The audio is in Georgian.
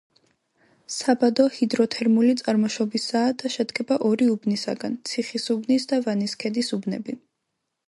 საბადო ჰიდროთერმული წარმოშობისაა და შედგება ორი უბნისაგან: ციხისუბნის და ვანისქედის უბნები.